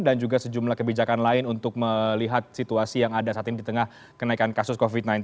dan juga sejumlah kebijakan lain untuk melihat situasi yang ada saat ini di tengah kenaikan kasus covid sembilan belas